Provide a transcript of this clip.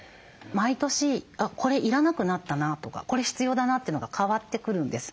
毎年これ要らなくなったなとかこれ必要だなっていうのが変わってくるんです。